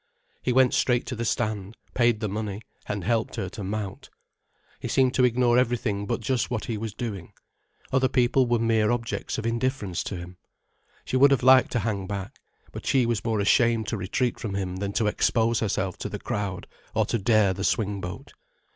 He went straight to the stand, paid the money, and helped her to mount. He seemed to ignore everything but just what he was doing. Other people were mere objects of indifference to him. She would have liked to hang back, but she was more ashamed to retreat from him than to expose herself to the crowd or to dare the swingboat.